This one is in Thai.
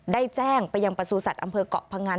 ได้แจ้งไปยังประสูจัตว์อำเภอกเกาะพงัน